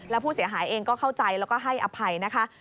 แล้วผู้เสียหายเองก็เข้าใจแล้วก็ให้อภัยนะคะ